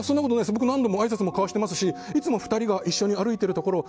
僕何度もあいさつも交わしていますしいつも一緒に２人が歩いているところを。